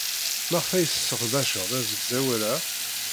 Maɣef ay tesseqdaced asegzawal-a?